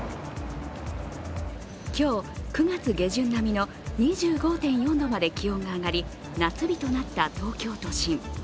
今日、９月下旬並みの２５．４度まで気温が上がり、夏日となった東京都心。